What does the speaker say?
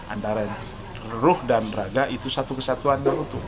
antara ruh dan braga itu satu kesatuan yang utuh